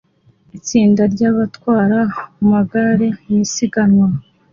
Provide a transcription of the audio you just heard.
Itsinda ry'abatwara amagare mu isiganwa